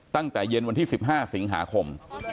ตั้งแต่เย็นวันที่๑๕สิงหาคม